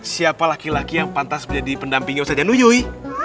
siapa laki laki yang pantas menjadi pendampingnya usahanya nuyui